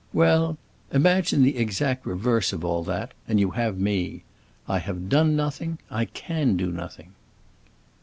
Well, imagine the exact reverse of all that, and you have me. I have done nothing—I can do nothing!"